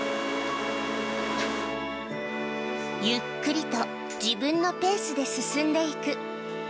ゆっくりと自分のペースで進んでいく。